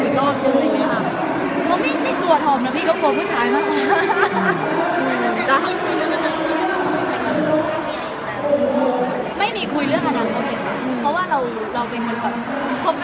พี่แจ็คกลัวว่าพี่เดาก็หน่อยจอดหรือคับหล่วงเหมือนกันครับ